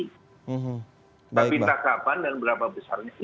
tapi entah kapan dan berapa besarnya